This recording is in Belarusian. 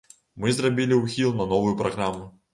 Мы зрабілі ўхіл на новую праграму.